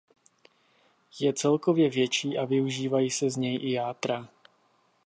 Je celkově větší a využívají se z něj i játra.